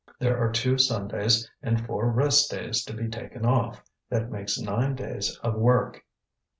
"There are two Sundays and four rest days to be taken off; that makes nine days of work."